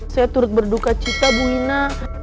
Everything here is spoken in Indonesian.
saya turut berduka cita bu ina